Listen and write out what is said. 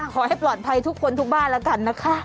ขอให้ปลอดภัยทุกคนทุกบ้านแล้วกันนะคะ